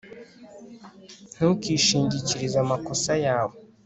ntukishingikirize amakosa yabo